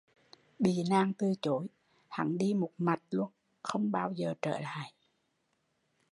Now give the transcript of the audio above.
Bị nàng từ chối, hắn đi một mạch, không bao giờ trở lại